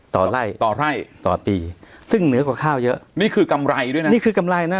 ต่อไล่ต่อไร่ต่อปีซึ่งเหนือกว่าข้าวเยอะนี่คือกำไรด้วยนะนี่คือกำไรนะ